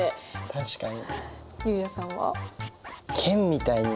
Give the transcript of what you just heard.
確かに。